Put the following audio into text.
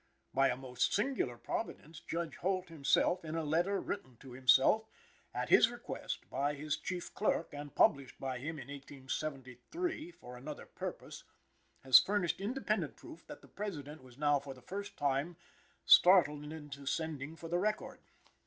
By a most singular providence, Judge Holt himself, in a letter written to himself, at his request, by his chief clerk, and published by him in 1873 for another purpose, has furnished independent proof that the President was now for the first time startled into sending for the record.